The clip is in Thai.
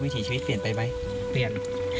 ถีชีวิตเปลี่ยนไปไหมเปลี่ยน